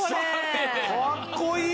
かっこいい！